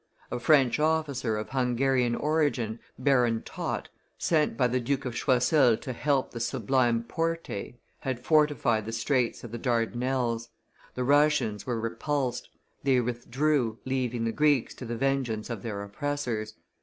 A French officer, of Hungarian origin, Baron Tott, sent by the Duke of Choiseul to help the Sublime Porte, had fortified the Straits of the Dardanelles; the Russians were repulsed; they withdrew, leaving the Greeks to the vengeance of their oppressors.